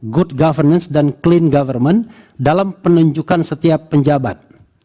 good governance dan clean government dalam penunjukan setiap penjabat